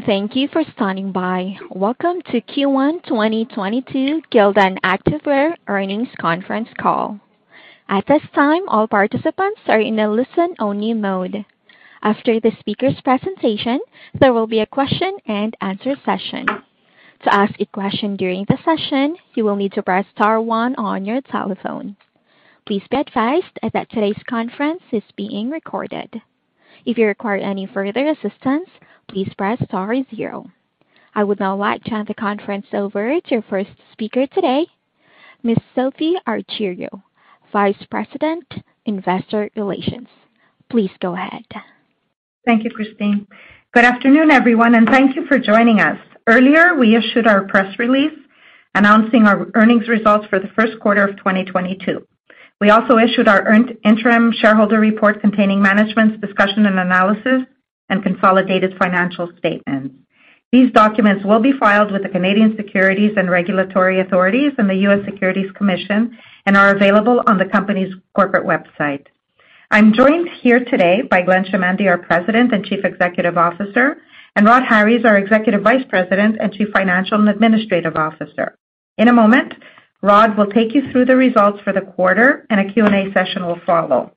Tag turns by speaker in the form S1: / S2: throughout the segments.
S1: Hey, thank you for standing by. Welcome to Q1 2022 Gildan Activewear Earnings Conference Call. At this time, all participants are in a listen-only mode. After the speaker's presentation, there will be a question and answer session. To ask a question during the session, you will need to press star one on your telephone. Please be advised that today's conference is being recorded. If you require any further assistance, please press star zero. I would now like to hand the conference over to your first speaker today, Ms. Sophie Argiriou, Vice President, Investor Relations. Please go ahead.
S2: Thank you, Christine. Good afternoon, everyone, and thank you for joining us. Earlier, we issued our press release announcing our earnings results for the first quarter of 2022. We also issued our interim shareholder report containing management's discussion and analysis and consolidated financial statements. These documents will be filed with the Canadian Securities Regulatory Authorities and the U.S. Securities and Exchange Commission and are available on the company's corporate website. I'm joined here today by Glenn Chamandy, our President and Chief Executive Officer, and Rod Harries, our Executive Vice President and Chief Financial and Administrative Officer. In a moment, Rhodri will take you through the results for the quarter and a Q&A session will follow.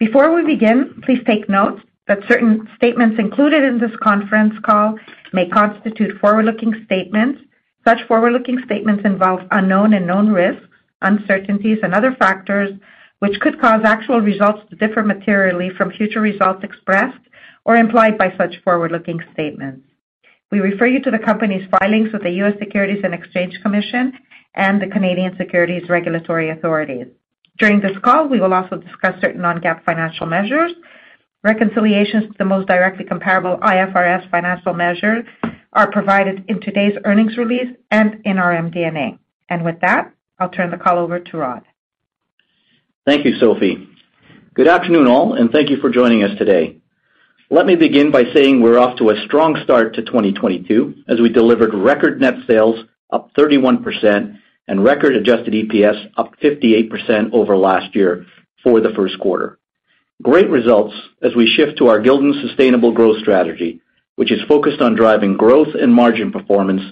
S2: Before we begin, please take note that certain statements included in this conference call may constitute forward-looking statements. Such forward-looking statements involve unknown and known risks, uncertainties, and other factors which could cause actual results to differ materially from future results expressed or implied by such forward-looking statements. We refer you to the company's filings with the U.S. Securities and Exchange Commission and the Canadian Securities Regulatory Authorities. During this call, we will also discuss certain non-GAAP financial measures. Reconciliations to the most directly comparable IFRS financial measures are provided in today's earnings release and in our MD&A. With that, I'll turn the call over to Rod.
S3: Thank you, Sophie. Good afternoon, all, and thank you for joining us today. Let me begin by saying we're off to a strong start to 2022 as we delivered record net sales up 31% and record adjusted EPS up 58% over last year for the first quarter. Great results as we shift to our Gildan Sustainable Growth strategy, which is focused on driving growth and margin performance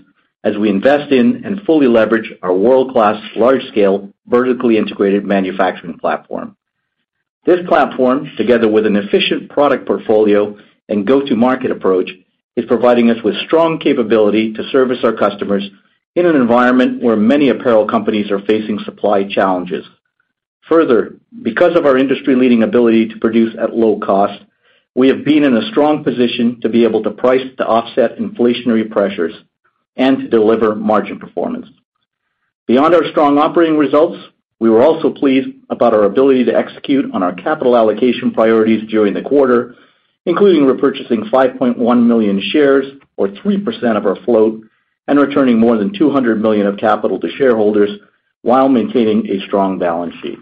S3: as we invest in and fully leverage our world-class large-scale vertically integrated manufacturing platform. This platform, together with an efficient product portfolio and go-to-market approach, is providing us with strong capability to service our customers in an environment where many apparel companies are facing supply challenges. Further, because of our industry-leading ability to produce at low cost, we have been in a strong position to be able to price to offset inflationary pressures and to deliver margin performance. Beyond our strong operating results, we were also pleased about our ability to execute on our capital allocation priorities during the quarter, including repurchasing 5.1 million shares or 3% of our float, and returning more than $200 million of capital to shareholders while maintaining a strong balance sheet.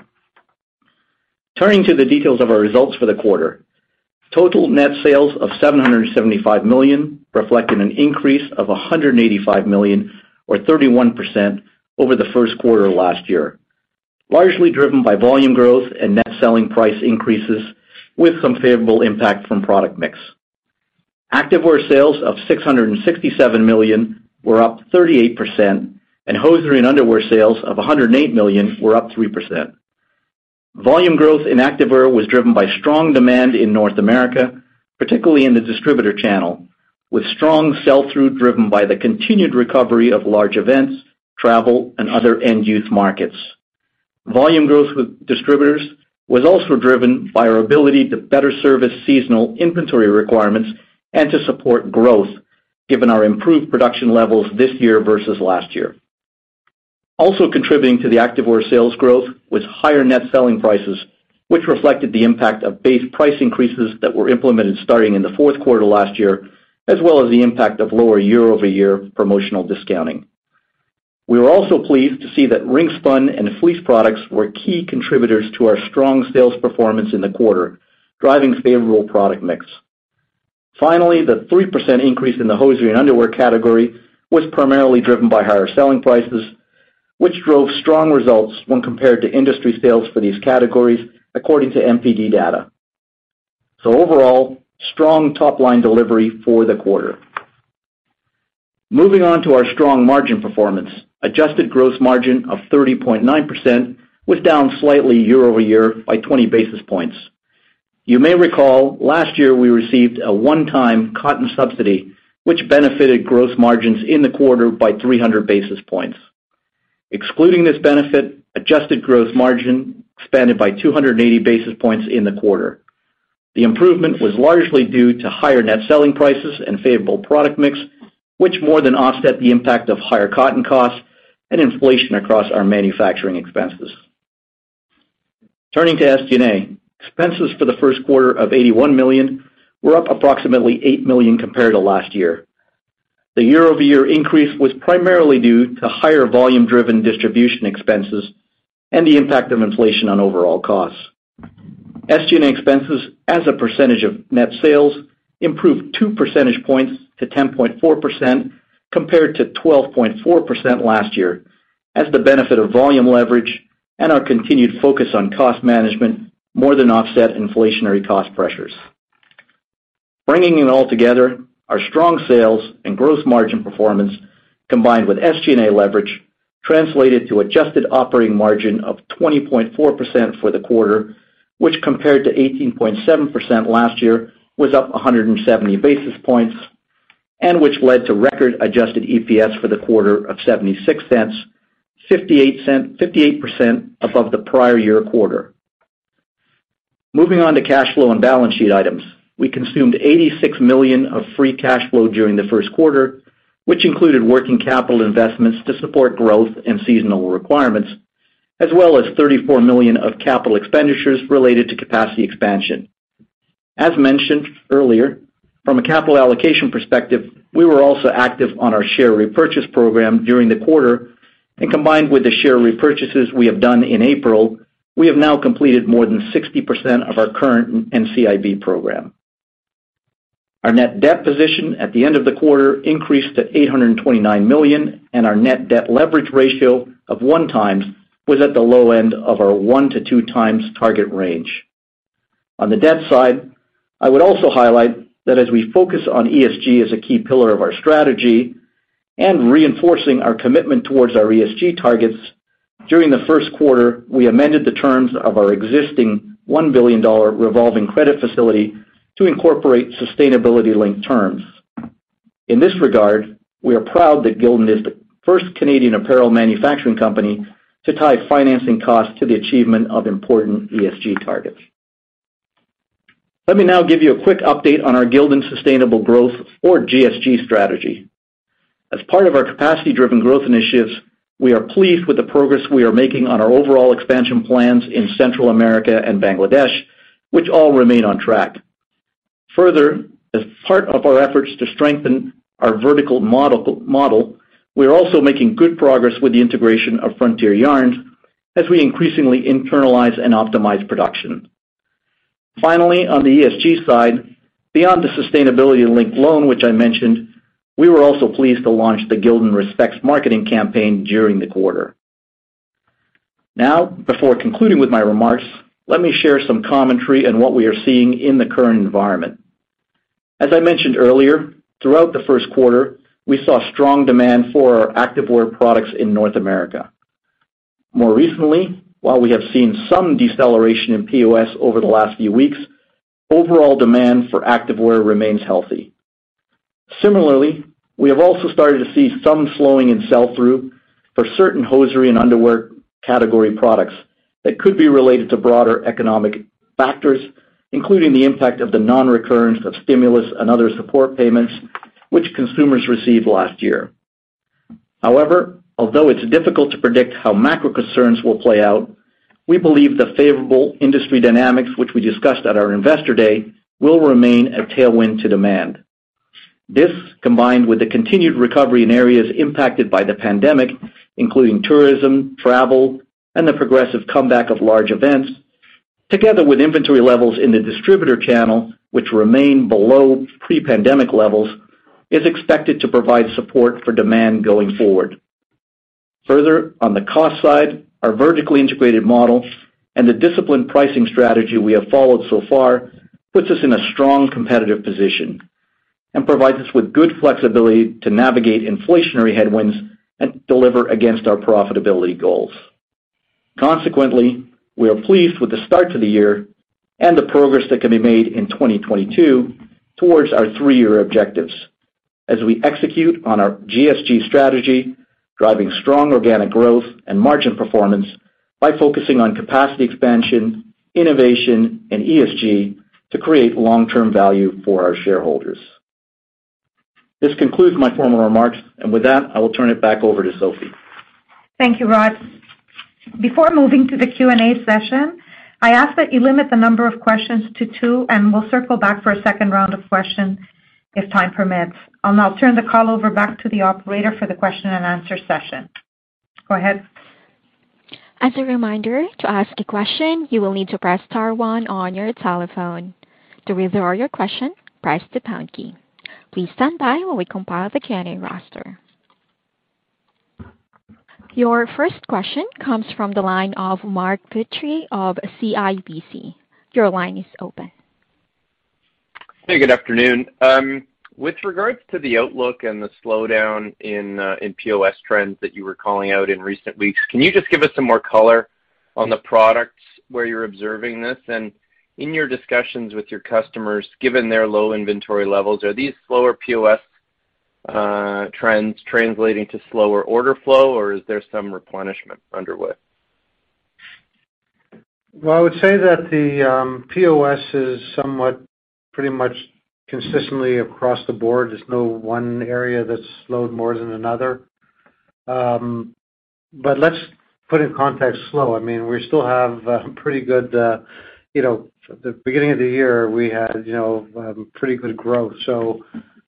S3: Turning to the details of our results for the quarter. Total net sales of $775 million, reflecting an increase of $185 million or 31% over the first quarter of last year. Largely driven by volume growth and net selling price increases with some favorable impact from product mix. Activewear sales of $667 million were up 38%, and hosiery and underwear sales of $108 million were up 3%. Volume growth in Activewear was driven by strong demand in North America, particularly in the distributor channel, with strong sell-through driven by the continued recovery of large events, travel, and other end-use markets. Volume growth with distributors was also driven by our ability to better service seasonal inventory requirements and to support growth given our improved production levels this year versus last year. Also contributing to the Activewear sales growth was higher net selling prices, which reflected the impact of base price increases that were implemented starting in the fourth quarter last year, as well as the impact of lower year-over-year promotional discounting. We were also pleased to see that ring spun and fleece products were key contributors to our strong sales performance in the quarter, driving favorable product mix. Finally, the 3% increase in the hosiery and underwear category was primarily driven by higher selling prices, which drove strong results when compared to industry sales for these categories according to NPD data. Overall, strong top-line delivery for the quarter. Moving on to our strong margin performance. Adjusted gross margin of 30.9% was down slightly year-over-year by 20 basis points. You may recall last year we received a one-time cotton subsidy, which benefited gross margins in the quarter by 300 basis points. Excluding this benefit, adjusted gross margin expanded by 280 basis points in the quarter. The improvement was largely due to higher net selling prices and favorable product mix, which more than offset the impact of higher cotton costs and inflation across our manufacturing expenses. Turning to SG&A. Expenses for the first quarter of $81 million were up approximately $8 million compared to last year. The year-over-year increase was primarily due to higher volume-driven distribution expenses and the impact of inflation on overall costs. SG&A expenses as a percentage of net sales improved two percentage points to 10.4% compared to 12.4% last year. As the benefit of volume leverage and our continued focus on cost management more than offset inflationary cost pressures. Bringing it all together, our strong sales and gross margin performance, combined with SG&A leverage, translated to adjusted operating margin of 20.4% for the quarter, which compared to 18.7% last year, was up 170 basis points, and which led to record adjusted EPS for the quarter of $0.76, 58% above the prior year quarter. Moving on to cash flow and balance sheet items. We consumed $86 million of free cash flow during the first quarter, which included working capital investments to support growth and seasonal requirements, as well as $34 million of capital expenditures related to capacity expansion. As mentioned earlier, from a capital allocation perspective, we were also active on our share repurchase program during the quarter, and combined with the share repurchases we have done in April, we have now completed more than 60% of our current NCIB program. Our net debt position at the end of the quarter increased to $829 million, and our net debt leverage ratio of 1x was at the low end of our 1x-2x target range. On the debt side, I would also highlight that as we focus on ESG as a key pillar of our strategy and reinforcing our commitment towards our ESG targets, during the first quarter, we amended the terms of our existing $1 billion revolving credit facility to incorporate sustainability-linked terms. In this regard, we are proud that Gildan is the first Canadian apparel manufacturing company to tie financing costs to the achievement of important ESG targets. Let me now give you a quick update on our Gildan Sustainable Growth, or GSG, strategy. As part of our capacity-driven growth initiatives, we are pleased with the progress we are making on our overall expansion plans in Central America and Bangladesh, which all remain on track. Further, as part of our efforts to strengthen our vertical model, we are also making good progress with the integration of Frontier Yarns as we increasingly internalize and optimize production. Finally, on the ESG side, beyond the sustainability-linked loan, which I mentioned, we were also pleased to launch the Gildan Respects marketing campaign during the quarter. Now, before concluding with my remarks, let me share some commentary on what we are seeing in the current environment. As I mentioned earlier, throughout the first quarter, we saw strong demand for our Activewear products in North America. More recently, while we have seen some deceleration in POS over the last few weeks, overall demand for Activewear remains healthy. Similarly, we have also started to see some slowing in sell-through for certain hosiery and underwear category products that could be related to broader economic factors, including the impact of the non-recurrence of stimulus and other support payments which consumers received last year. However, although it's difficult to predict how macro concerns will play out, we believe the favorable industry dynamics, which we discussed at our Investor Day, will remain a tailwind to demand. This, combined with the continued recovery in areas impacted by the pandemic, including tourism, travel, and the progressive comeback of large events, together with inventory levels in the distributor channel, which remain below pre-pandemic levels, is expected to provide support for demand going forward. Further, on the cost side, our vertically integrated model and the disciplined pricing strategy we have followed so far puts us in a strong competitive position and provides us with good flexibility to navigate inflationary headwinds and deliver against our profitability goals. Consequently, we are pleased with the start to the year and the progress that can be made in 2022 towards our three-year objectives as we execute on our GSG strategy, driving strong organic growth and margin performance by focusing on capacity expansion, innovation, and ESG to create long-term value for our shareholders. This concludes my formal remarks, and with that, I will turn it back over to Sophie.
S2: Thank you, Rod. Before moving to the Q&A session, I ask that you limit the number of questions to two, and we'll circle back for a second round of questions if time permits. I'll now turn the call back over to the operator for the question and answer session. Go ahead.
S1: As a reminder, to ask a question, you will need to press star one on your telephone. To withdraw your question, press the pound key. Please stand by while we compile the Q&A roster. Your first question comes from the line of Mark Petrie of CIBC. Your line is open.
S4: Hey, good afternoon. With regards to the outlook and the slowdown in POS trends that you were calling out in recent weeks, can you just give us some more color on the products where you're observing this? In your discussions with your customers, given their low inventory levels, are these slower POS trends translating to slower order flow, or is there some replenishment underway?
S5: Well, I would say that the POS is somewhat pretty much consistently across the board. There's no one area that's slowed more than another. But let's put in context slow. I mean, we still have pretty good, you know. The beginning of the year, we had, you know, pretty good growth.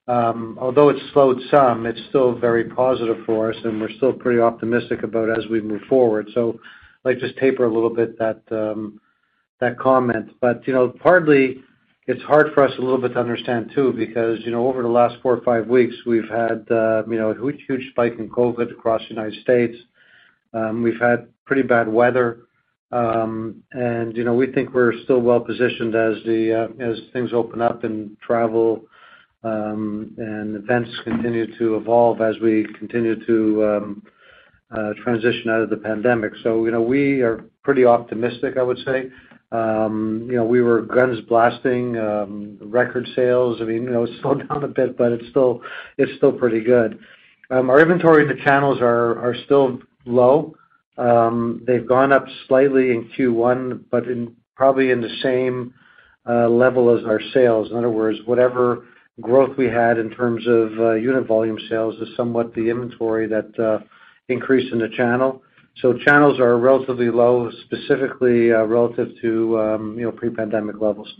S5: Although it's slowed some, it's still very positive for us, and we're still pretty optimistic about as we move forward. I'd like to just taper a little bit that. That comment. You know, partly it's hard for us a little bit to understand too, because, you know, over the last four or five weeks, we've had, you know, huge spike in COVID across the United States. We've had pretty bad weather. You know, we think we're still well positioned as things open up and travel, and events continue to evolve as we continue to transition out of the pandemic. You know, we are pretty optimistic, I would say. You know, we were guns blazing, record sales. I mean, you know, it's slowed down a bit, but it's still pretty good. Our inventory in the channels are still low. They've gone up slightly in Q1, but probably in the same level as our sales. In other words, whatever growth we had in terms of unit volume sales is somewhat the inventory that increased in the channel. Channels are relatively low, specifically relative to you know pre-pandemic levels.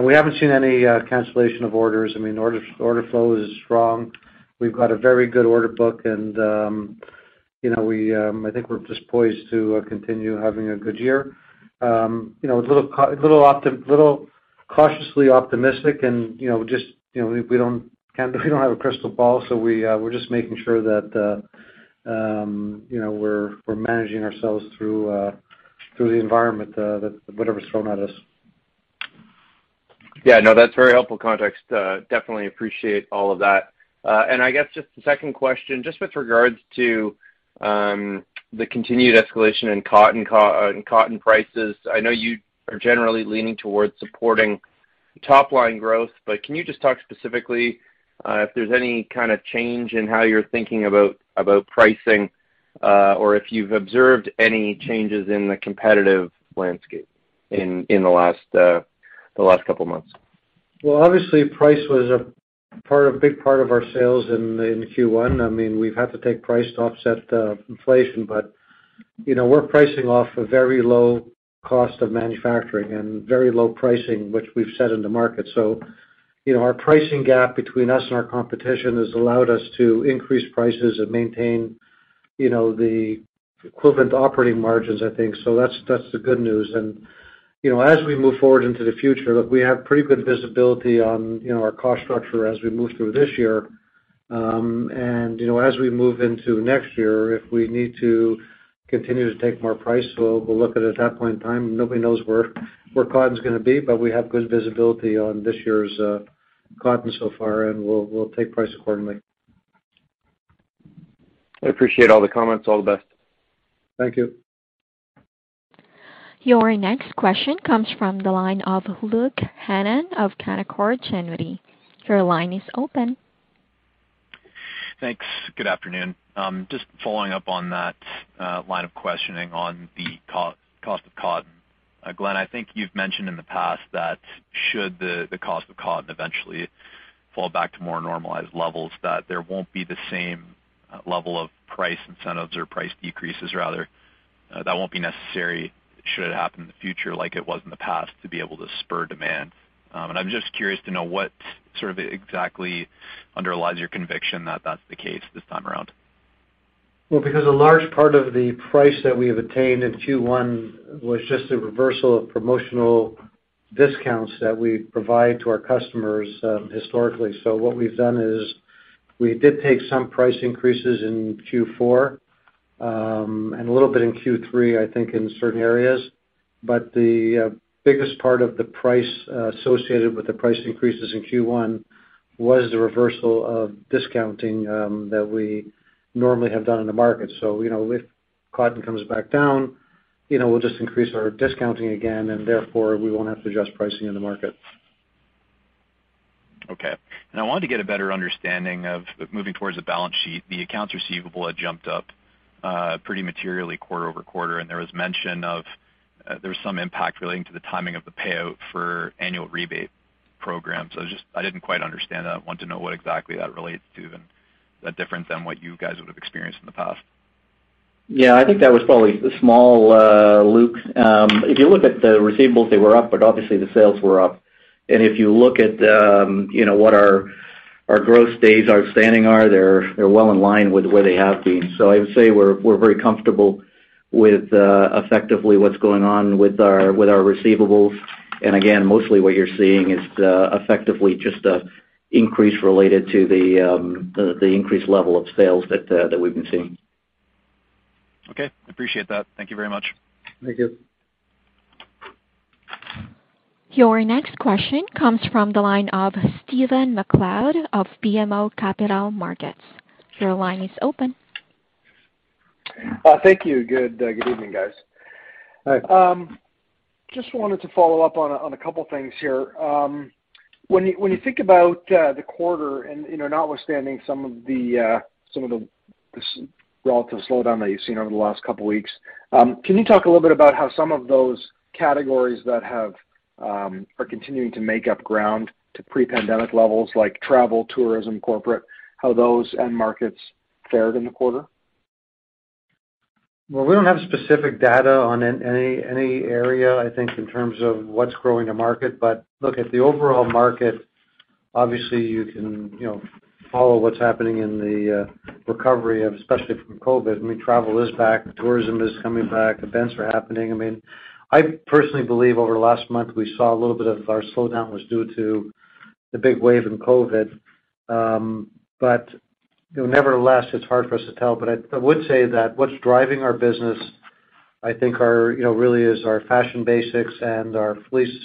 S5: We haven't seen any cancellation of orders. I mean, order flow is strong. We've got a very good order book and you know we I think we're just poised to continue having a good year. You know, it's a little cautiously optimistic and you know just you know we don't have a crystal ball, so we're just making sure that you know we're managing ourselves through through the environment that whatever's thrown at us.
S4: Yeah, no, that's very helpful context. Definitely appreciate all of that. I guess just the second question, just with regards to the continued escalation in cotton prices. I know you are generally leaning towards supporting top line growth, but can you just talk specifically if there's any kind of change in how you're thinking about pricing, or if you've observed any changes in the competitive landscape in the last couple months?
S5: Well, obviously price was a part, a big part of our sales in Q1. I mean, we've had to take price to offset inflation. You know, we're pricing off a very low cost of manufacturing and very low pricing, which we've set in the market. You know, our pricing gap between us and our competition has allowed us to increase prices and maintain, you know, the equivalent operating margins, I think. That's the good news. You know, as we move forward into the future, look, we have pretty good visibility on, you know, our cost structure as we move through this year. You know, as we move into next year, if we need to continue to take more price, we'll look at it at that point in time. Nobody knows where cotton's gonna be, but we have good visibility on this year's cotton so far, and we'll take price accordingly.
S4: I appreciate all the comments. All the best.
S5: Thank you.
S1: Your next question comes from the line of Luke Hannan of Canaccord Genuity. Your line is open.
S6: Thanks. Good afternoon. Just following up on that, line of questioning on the cost of cotton. Glenn, I think you've mentioned in the past that should the cost of cotton eventually fall back to more normalized levels, that there won't be the same level of price incentives or price decreases rather, that won't be necessary should it happen in the future like it was in the past to be able to spur demand. I'm just curious to know what sort of exactly underlies your conviction that that's the case this time around.
S5: Well, because a large part of the price that we have attained in Q1 was just a reversal of promotional discounts that we provide to our customers, historically. What we've done is we did take some price increases in Q4, and a little bit in Q3, I think, in certain areas. The biggest part of the price associated with the price increases in Q1 was the reversal of discounting that we normally have done in the market. You know, if cotton comes back down, you know, we'll just increase our discounting again, and therefore we won't have to adjust pricing in the market.
S6: Okay. I wanted to get a better understanding of moving towards the balance sheet. The accounts receivable had jumped up pretty materially quarter-over-quarter, and there was mention of there was some impact relating to the timing of the payout for annual rebate programs. I didn't quite understand that. I wanted to know what exactly that relates to and is that different than what you guys would have experienced in the past.
S3: Yeah, I think that was probably small, Luke. If you look at the receivables, they were up, but obviously the sales were up. If you look at, you know, what our gross days outstanding are, they're well in line with where they have been. I would say we're very comfortable with, effectively what's going on with our receivables. Again, mostly what you're seeing is, effectively just a increase related to the increased level of sales that we've been seeing.
S6: Okay. Appreciate that. Thank you very much.
S5: Thank you.
S1: Your next question comes from the line of Stephen MacLeod of BMO Capital Markets. Your line is open.
S7: Thank you. Good evening, guys.
S5: Hi.
S7: Just wanted to follow up on a couple things here. When you think about the quarter and, you know, notwithstanding some relative slowdown that you've seen over the last couple weeks, can you talk a little bit about how some of those categories that are continuing to make up ground to pre-pandemic levels like travel, tourism, corporate, how those end markets fared in the quarter?
S5: Well, we don't have specific data on any area, I think, in terms of what's growing the market. Look at the overall market. Obviously, you can, you know, follow what's happening in the recovery especially from COVID. I mean, travel is back, tourism is coming back, events are happening. I mean, I personally believe over the last month, we saw a little bit of our slowdown was due to the big wave in COVID. You know, nevertheless, it's hard for us to tell. I would say that what's driving our business, I think, are, you know, really is our fashion basics and our fleece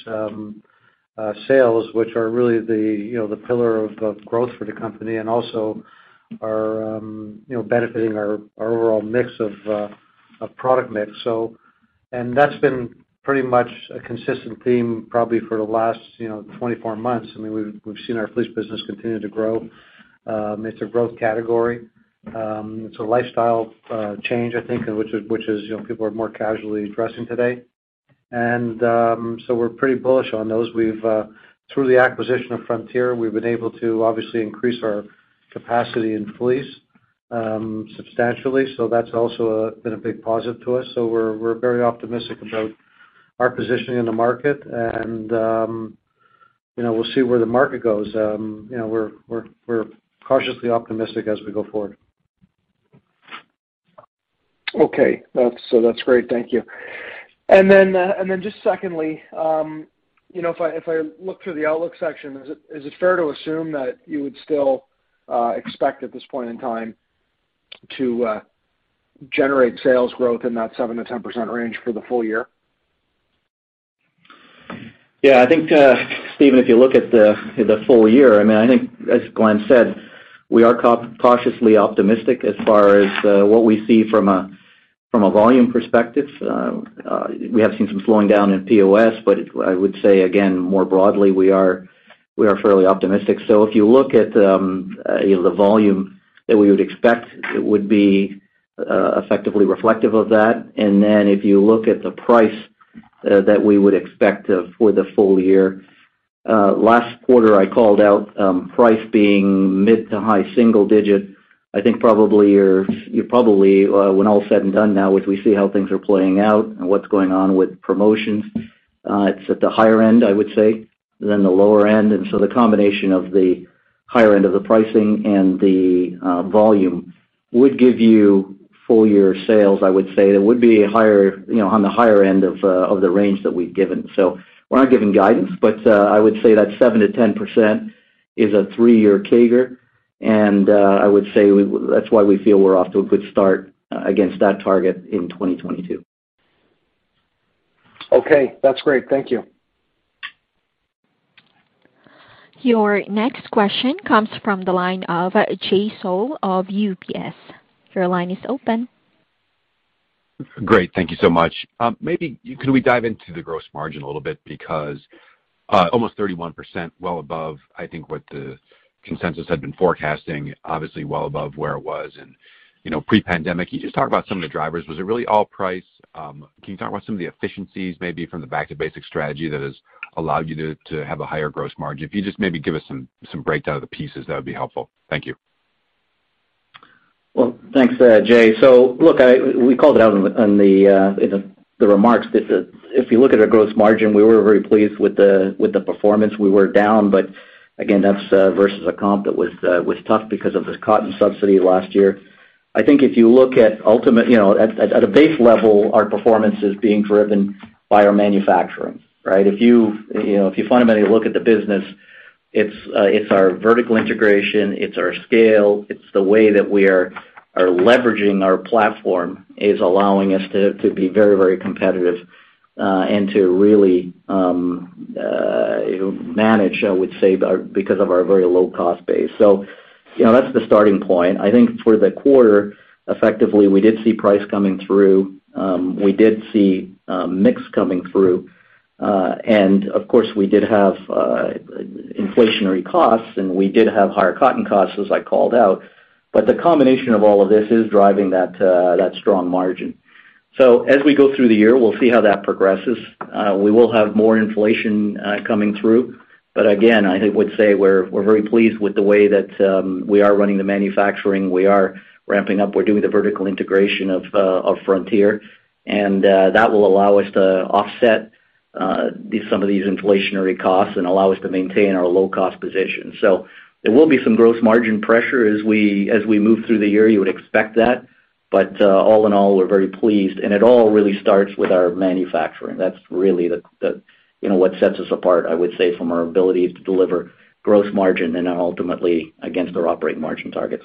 S5: sales, which are really the, you know, the pillar of growth for the company and also are, you know, benefiting our overall mix of product mix. That's been pretty much a consistent theme probably for the last, you know, 24 months. I mean, we've seen our fleece business continue to grow. It's a growth category. It's a lifestyle change, I think, which is, you know, people are more casually dressing today. We're pretty bullish on those. We've through the acquisition of Frontier, we've been able to obviously increase our capacity in fleece substantially. That's also been a big positive to us. We're very optimistic about our positioning in the market. You know, we'll see where the market goes. You know, we're cautiously optimistic as we go forward.
S7: Okay. That's great. Thank you. Then just secondly, you know, if I look through the outlook section, is it fair to assume that you would still expect at this point in time to generate sales growth in that 7%-10% range for the full year?
S3: Yeah, I think, Stephen, if you look at the full year, I mean, I think as Glenn said, we are cautiously optimistic as far as what we see from a volume perspective. We have seen some slowing down in POS, but I would say again, more broadly, we are fairly optimistic. If you look at, you know, the volume that we would expect, it would be effectively reflective of that. Then if you look at the price that we would expect for the full year, last quarter, I called out price being mid- to high-single-digit. I think probably, when all is said and done now, which we see how things are playing out and what's going on with promotions, it's at the higher end, I would say, than the lower end. The combination of the higher end of the pricing and the volume would give you full-year sales, I would say. It would be higher, you know, on the higher end of the range that we've given. We're not giving guidance, but I would say that 7%-10% is a three-year CAGR. I would say that's why we feel we're off to a good start against that target in 2022.
S7: Okay. That's great. Thank you.
S1: Your next question comes from the line of Jay Sole of UBS. Your line is open.
S8: Great. Thank you so much. Maybe can we dive into the gross margin a little bit because, almost 31%, well above, I think, what the consensus had been forecasting, obviously well above where it was in, you know, pre-pandemic. Can you just talk about some of the drivers? Was it really all price? Can you talk about some of the efficiencies maybe from the back to basic strategy that has allowed you to have a higher gross margin? If you just maybe give us some breakdown of the pieces, that would be helpful. Thank you.
S3: Well, thanks, Jay. Look, we called out in the remarks that if you look at our gross margin, we were very pleased with the performance. We were down, but again, that's versus a comp that was tough because of this cotton subsidy last year. I think if you look at you know, at a base level, our performance is being driven by our manufacturing, right? If you know, if you fundamentally look at the business, it's our vertical integration, it's our scale, it's the way that we are leveraging our platform is allowing us to be very, very competitive and to really manage, I would say, because of our very low cost base. You know, that's the starting point. I think for the quarter, effectively, we did see price coming through. We did see mix coming through. Of course, we did have inflationary costs, and we did have higher cotton costs as I called out. The combination of all of this is driving that strong margin. As we go through the year, we'll see how that progresses. We will have more inflation coming through. Again, I would say we're very pleased with the way that we are running the manufacturing. We are ramping up. We're doing the vertical integration of Frontier, and that will allow us to offset some of these inflationary costs and allow us to maintain our low-cost position. There will be some gross margin pressure as we move through the year. You would expect that. All in all, we're very pleased, and it all really starts with our manufacturing. That's really the, you know, what sets us apart, I would say, from our ability to deliver gross margin and then ultimately against our operating margin targets.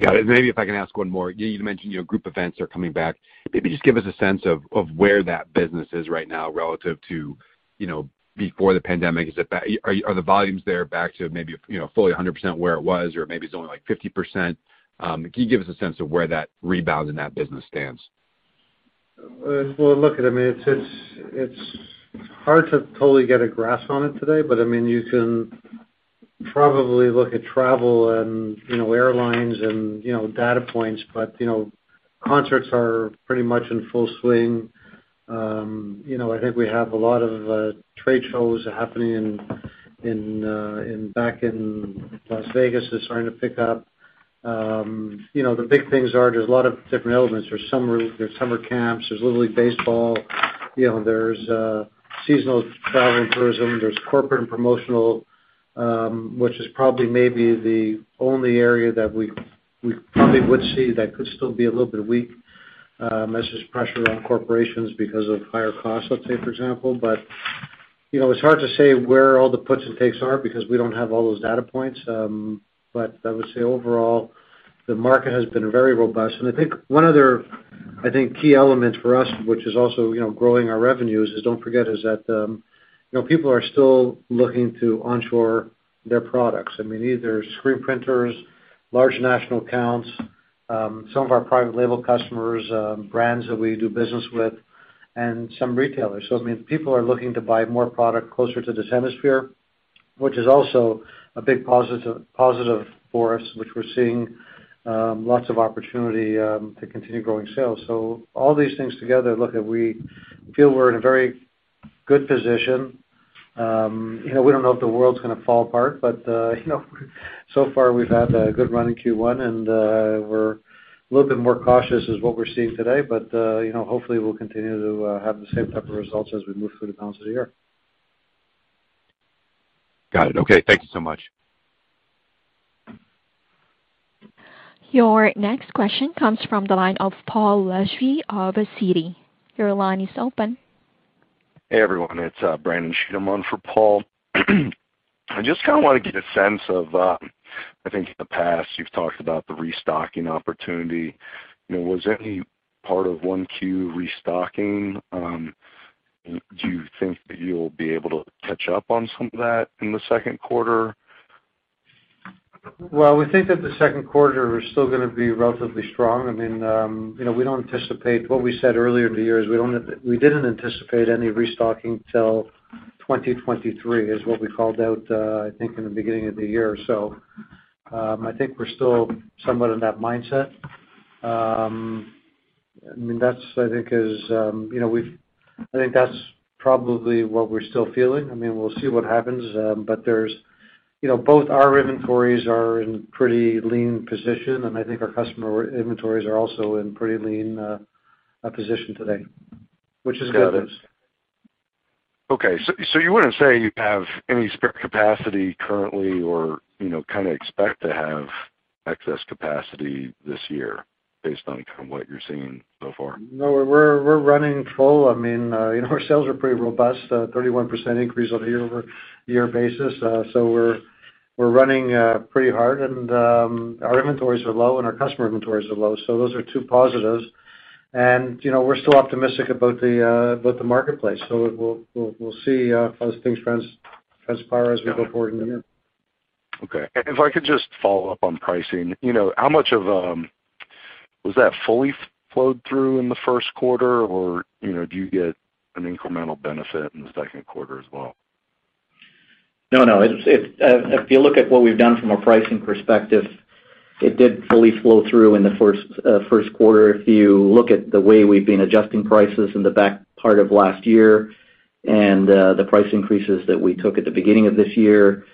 S8: Got it. Maybe if I can ask one more. You mentioned, you know, group events are coming back. Maybe just give us a sense of where that business is right now relative to, you know, before the pandemic. Are the volumes there back to maybe, you know, fully 100% where it was, or maybe it's only like 50%? Can you give us a sense of where that rebound in that business stands?
S5: Well, look, I mean, it's hard to totally get a grasp on it today. I mean, you can probably look at travel and, you know, airlines and, you know, data points. You know, concerts are pretty much in full swing. You know, I think we have a lot of trade shows happening in back in Las Vegas is starting to pick up. You know, the big things are there's a lot of different elements. There's summer camps, there's Little League baseball, you know, there's seasonal travel and tourism. There's corporate and promotional, which is probably maybe the only area that we probably would see that could still be a little bit weak, as there's pressure on corporations because of higher costs, let's say for example. You know, it's hard to say where all the puts and takes are because we don't have all those data points. I would say overall, the market has been very robust. I think one other key element for us, which is also growing our revenues. Don't forget that people are still looking to onshore their products. I mean, either screen printers, large national accounts, some of our private label customers, brands that we do business with and some retailers. I mean, people are looking to buy more product closer to this hemisphere, which is also a big positive for us, which we're seeing lots of opportunity to continue growing sales. All these things together, look, we feel we're in a very good position. You know, we don't know if the world's gonna fall apart, but you know, so far we've had a good run in Q1, and we're a little bit more cautious is what we're seeing today. But you know, hopefully we'll continue to have the same type of results as we move through the balance of the year.
S8: Got it. Okay, thank you so much.
S1: Your next question comes from the line of Paul Lejuez of Citi. Your line is open.
S9: Hey, everyone. It's Brandon Cheatham for Paul. I just kinda wanna get a sense of, I think in the past you've talked about the restocking opportunity. You know, was any part of 1Q restocking? Do you think that you'll be able to catch up on some of that in the second quarter?
S5: Well, we think that the second quarter is still gonna be relatively strong. I mean, you know, we don't anticipate what we said earlier in the year is we didn't anticipate any restocking till 2023, is what we called out, I think in the beginning of the year. I think we're still somewhat in that mindset. I mean, that's, I think, is, you know, I think that's probably what we're still feeling. I mean, we'll see what happens. There's, you know, both our inventories are in pretty lean position, and I think our customer inventories are also in pretty lean position today, which is good news.
S9: Got it. Okay. You wouldn't say you have any spare capacity currently or, you know, kinda expect to have excess capacity this year based on kind of what you're seeing so far?
S5: No, we're running full. I mean, you know, our sales are pretty robust, 31% increase on a year-over-year basis. We're running pretty hard and our inventories are low and our customer inventories are low, so those are two positives. You know, we're still optimistic about the marketplace. We'll see how things transpire as we go forward in the year.
S9: Okay. If I could just follow up on pricing. You know, how much of was that fully flowed through in the first quarter, or, you know, do you get an incremental benefit in the second quarter as well?
S3: No, no. If you look at what we've done from a pricing perspective, it did fully flow through in the first quarter. If you look at the way we've been adjusting prices in the back part of last year and the price increases that we took at the beginning of this year,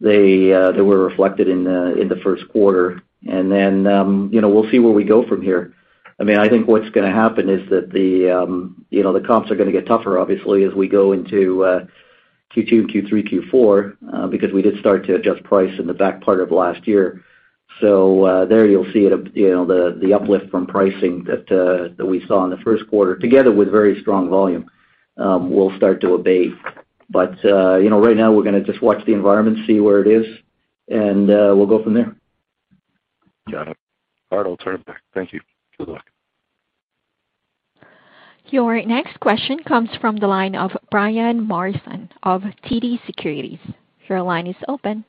S3: they were reflected in the first quarter. You know, we'll see where we go from here. I mean, I think what's gonna happen is that the comps are gonna get tougher obviously as we go into Q2, Q3, Q4 because we did start to adjust price in the back part of last year. There you'll see it up, you know, the uplift from pricing that we saw in the first quarter together with very strong volume will start to abate. You know, right now we're gonna just watch the environment, see where it is and we'll go from there.
S9: Got it. All right, I'll turn it back. Thank you. Good luck.
S1: Your next question comes from the line of Brian Morrison of TD Securities. Your line is open.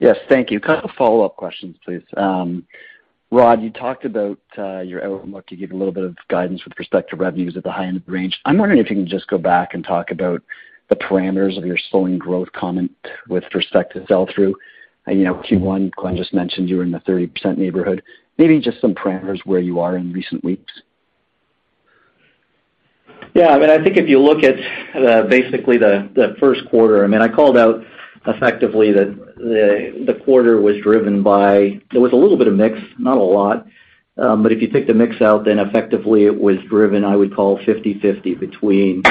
S10: Yes. Thank you. Couple of follow-up questions, please. Rod, you talked about your outlook. You gave a little bit of guidance with respect to revenues at the high end of the range. I'm wondering if you can just go back and talk about the parameters of your slowing growth comment with respect to sell-through. You know, Q1, Glenn just mentioned you were in the 30% neighborhood. Maybe just some parameters where you are in recent weeks.
S3: Yeah, I mean, I think if you look at basically the first quarter, I mean, I called out effectively that the quarter was driven by. There was a little bit of mix, not a lot. But if you take the mix out, then effectively it was driven, I would call 50/50 between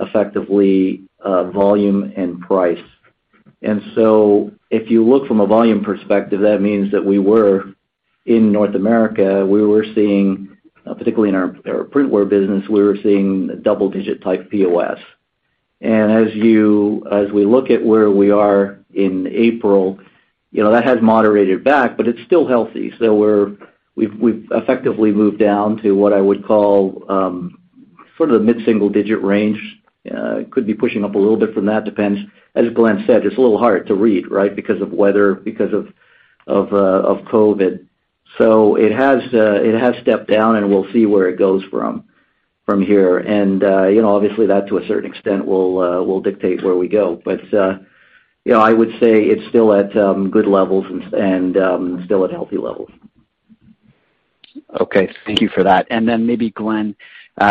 S3: effectively volume and price. If you look from a volume perspective, that means that we were in North America, we were seeing particularly in our printwear business, we were seeing double-digit type POS. As we look at where we are in April, you know, that has moderated back, but it's still healthy. We've effectively moved down to what I would call sort of mid-single digit range. It could be pushing up a little bit from that depends. As Glenn said, it's a little hard to read, right? Because of weather, because of COVID. It has stepped down, and we'll see where it goes from here. You know, obviously that to a certain extent will dictate where we go. You know, I would say it's still at good levels and still at healthy levels.
S10: Okay. Thank you for that. Maybe Glenn,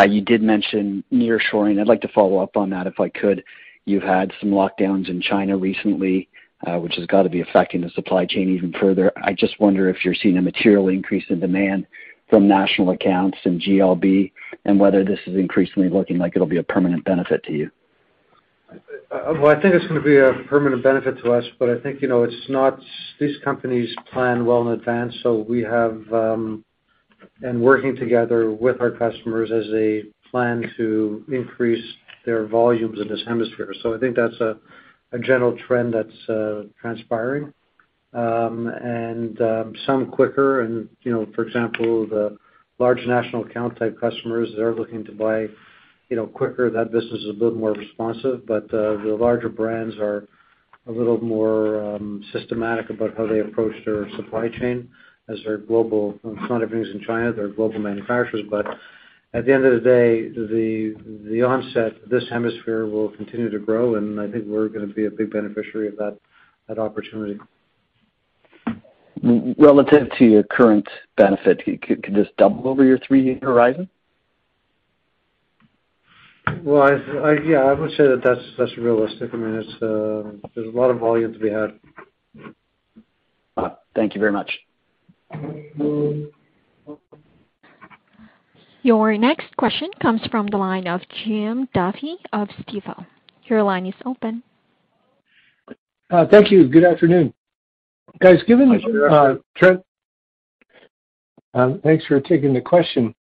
S10: you did mention nearshoring. I'd like to follow up on that if I could. You've had some lockdowns in China recently, which has gotta be affecting the supply chain even further. I just wonder if you're seeing a material increase in demand from national accounts and global brands and whether this is increasingly looking like it'll be a permanent benefit to you.
S5: Well, I think it's gonna be a permanent benefit to us, but I think, you know, these companies plan well in advance, and working together with our customers as they plan to increase their volumes in this hemisphere. I think that's a general trend that's transpiring. Some quicker and, you know, for example, the large national account type customers, they're looking to buy, you know, quicker. That business is a bit more responsive. The larger brands are a little more systematic about how they approach their supply chain as they're global. It's not everything's in China, they're global manufacturers. At the end of the day, the onset, this hemisphere will continue to grow, and I think we're gonna be a big beneficiary of that opportunity.
S10: Relative to your current benefit, can this double over your three-year horizon?
S5: Well, yeah, I would say that's realistic. I mean, it's, there's a lot of volumes to be had.
S3: Thank you very much.
S1: Your next question comes from the line of Jim Duffy of Stifel. Your line is open.
S11: Thank you. Good afternoon. Guys, given trend-
S5: Hi, Jim.
S11: Thanks for taking the question.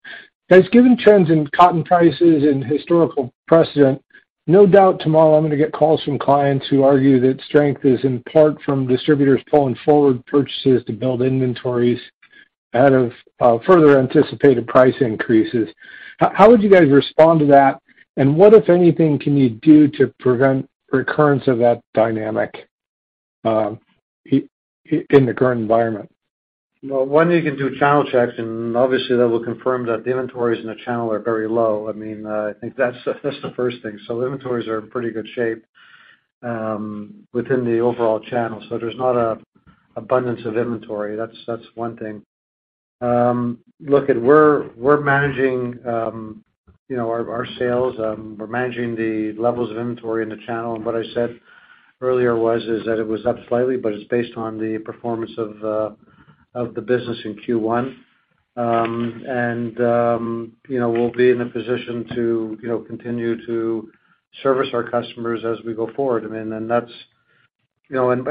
S11: Guys, given trends in cotton prices and historical precedent, no doubt tomorrow I'm gonna get calls from clients who argue that strength is in part from distributors pulling forward purchases to build inventories ahead of further anticipated price increases. How would you guys respond to that? What, if anything, can you do to prevent recurrence of that dynamic in the current environment?
S5: Well, one, you can do channel checks, and obviously that will confirm that the inventories in the channel are very low. I mean, I think that's the first thing. Inventories are in pretty good shape within the overall channel. There's not an abundance of inventory. That's one thing. Look, we're managing, you know, our sales. We're managing the levels of inventory in the channel, and what I said earlier was that it was up slightly, but it's based on the performance of the business in Q1. You know, we'll be in a position to, you know, continue to service our customers as we go forward. I mean, that's. I'm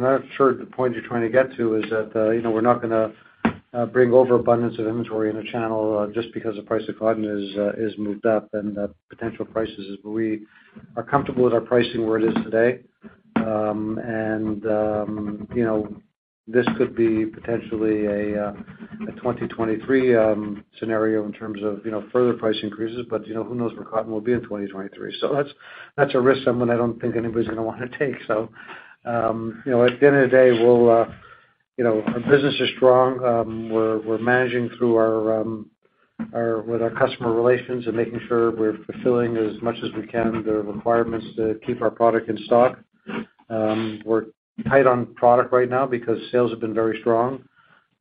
S5: not sure the point you're trying to get to is that you know, we're not gonna bring overabundance of inventory in the channel just because the price of cotton is moved up and the potential prices is. We are comfortable with our pricing where it is today. You know, this could be potentially a 2023 scenario in terms of you know, further price increases. You know, who knows where cotton will be in 2023. That's a risk someone I don't think anybody's gonna wanna take. You know, at the end of the day, we'll, you know, our business is strong. We're managing with our customer relations and making sure we're fulfilling as much as we can the requirements to keep our product in stock. We're tight on product right now because sales have been very strong.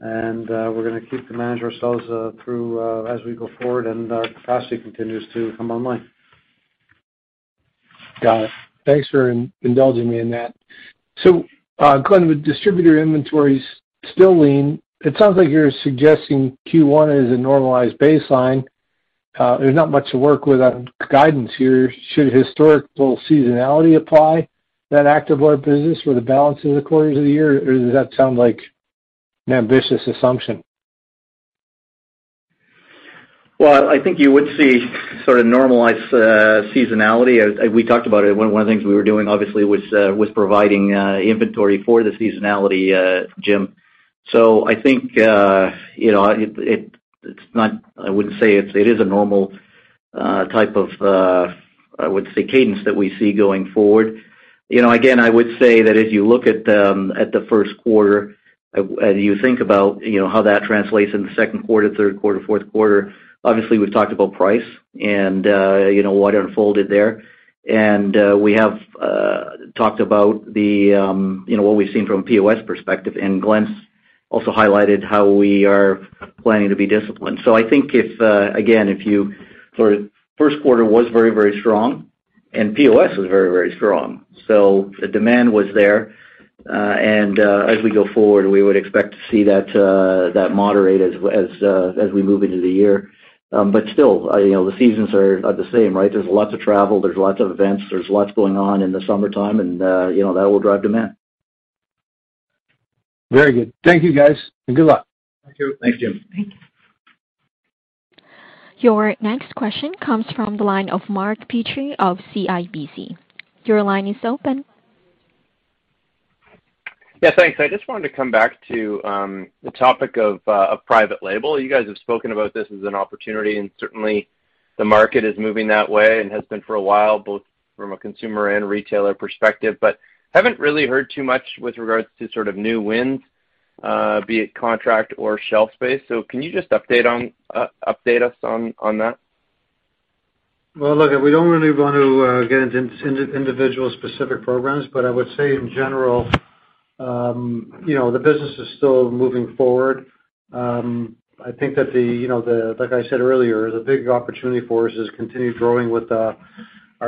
S5: We're gonna keep to manage ourselves through as we go forward and our capacity continues to come online.
S11: Got it. Thanks for indulging me in that. Glenn, with distributor inventories still lean, it sounds like you're suggesting Q1 as a normalized baseline. There's not much to work with on guidance here. Should historical seasonality apply that Activewear business for the balance of the quarters of the year? Or does that sound like an ambitious assumption?
S3: Well, I think you would see sort of normalized seasonality. We talked about it, one of the things we were doing obviously was providing inventory for the seasonality, Jim. I think you know it's a normal type of, I would say cadence that we see going forward. You know, again, I would say that if you look at the first quarter and you think about you know how that translates into second quarter, third quarter, fourth quarter, obviously we've talked about price and you know what unfolded there. We have talked about you know what we've seen from a POS perspective. Glenn's also highlighted how we are planning to be disciplined. I think if you sort of first quarter was very, very strong and POS was very, very strong. The demand was there. As we go forward, we would expect to see that moderate as we move into the year. Still, you know, the seasons are the same, right? There's lots of travel. There's lots of events. There's lots going on in the summertime, and you know, that will drive demand.
S11: Very good. Thank you, guys, and good luck.
S5: Thank you.
S3: Thank you.
S1: Your next question comes from the line of Mark Petrie of CIBC. Your line is open.
S4: Yeah, thanks. I just wanted to come back to the topic of private label. You guys have spoken about this as an opportunity, and certainly the market is moving that way and has been for a while, both from a consumer and retailer perspective. Haven't really heard too much with regards to sort of new wins, be it contract or shelf space. Can you just update us on that?
S5: Well, look, we don't really want to get into individual specific programs, but I would say in general, you know, the business is still moving forward. I think that, you know, like I said earlier, the big opportunity for us is continue growing with our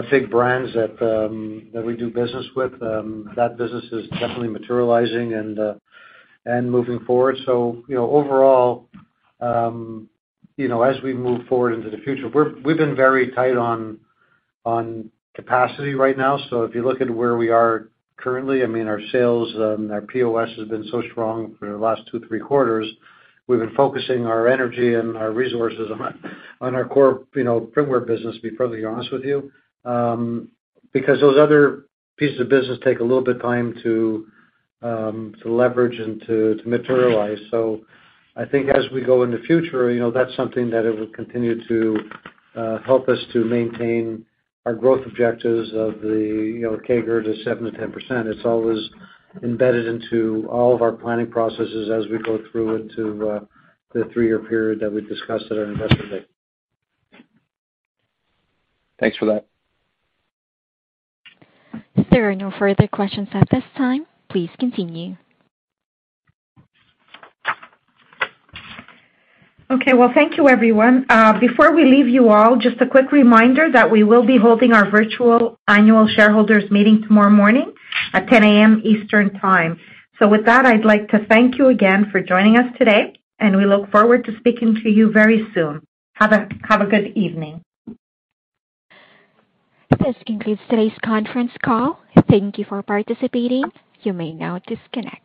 S5: big brands that we do business with. That business is definitely materializing and moving forward. You know, overall, you know, as we move forward into the future, we've been very tight on capacity right now. If you look at where we are currently, I mean, our sales, our POS has been so strong for the last two, three quarters, we've been focusing our energy and our resources on our core, you know, printwear business, to be perfectly honest with you. Because those other pieces of business take a little bit of time to leverage and to materialize. I think as we go in the future, you know, that's something that it will continue to help us to maintain our growth objectives of the, you know, CAGR to 7%-10%. It's always embedded into all of our planning processes as we go through into the three-year period that we discussed at our Investor Day.
S4: Thanks for that.
S1: There are no further questions at this time. Please continue.
S2: Okay. Well, thank you, everyone. Before we leave you all, just a quick reminder that we will be holding our virtual annual shareholders meeting tomorrow morning at 10:00 A.M. Eastern Time. With that, I'd like to thank you again for joining us today, and we look forward to speaking to you very soon. Have a good evening.
S1: This concludes today's conference call. Thank you for participating. You may now disconnect.